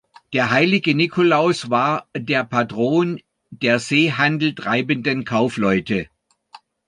Der Heilige Nikolaus war der Patron der Seehandel treibenden Kaufleute.